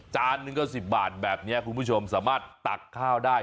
หนึ่งก็๑๐บาทแบบนี้คุณผู้ชมสามารถตักข้าวได้